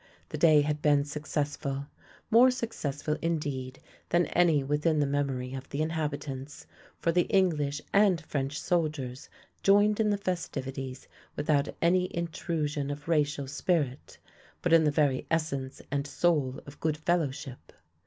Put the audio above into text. The day had been successful, more successful indeed than any within the memory of the inhabitants ; for the English and French soldiers joined in the festivities v/ithout any intrusion of racial spirit, but in the very essence and soul of good fellowship.